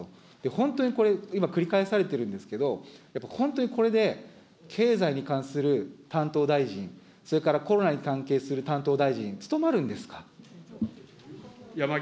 本当にこれ、今、繰り返されてるんですけれども、やっぱり本当にこれで経済に関する担当大臣、それからコロナに関係する担当大臣、務まるんですか。